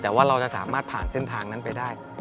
แต่ว่าเราจะสามารถผ่านเส้นทางนั้นไปได้